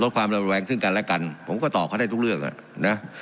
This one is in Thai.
ความระแวงซึ่งกันและกันผมก็ตอบเขาได้ทุกเรื่องอ่ะนะ